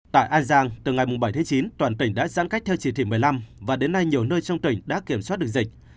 tại an giang từ ngày bảy tháng chín toàn tỉnh đã giãn cách theo chỉ thị một mươi năm và đến nay nhiều nơi trong tỉnh đã kiểm soát được dịch